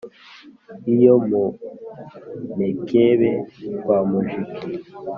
iyo mu mekebe kwa mujiki